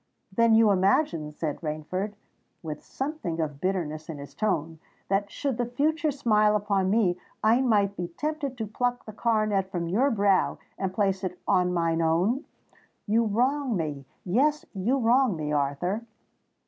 "Then you imagine," said Rainford, with something of bitterness in his tone, "that should the future smile upon me, I might be tempted to pluck the coronet from your brow to place it on mine own? You wrong me—yes, you wrong me, Arthur!"